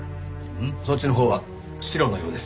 そっちのほうはシロのようです。